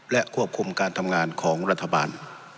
และควบคุมการทำงานของรัฐบาล